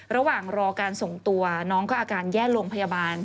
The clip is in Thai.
ระหว่างรอการส่งตัวน้องก็อาการแย่ลงพยาบาล